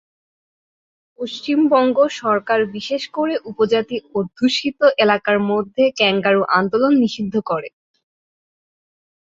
পশ্চিমবঙ্গ সরকার বিশেষ করে উপজাতি অধ্যুষিত এলাকার মধ্যে ক্যাঙ্গারু আদালত নিষিদ্ধ করে।